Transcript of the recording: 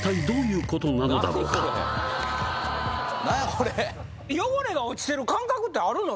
これ汚れが落ちてる感覚ってあるの？